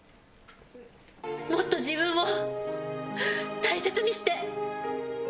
もっと自分を大切にして！